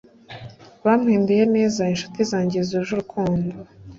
bampinduye neza inshuti zanjye zuje urukundo